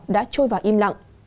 đã trôi vào im lặng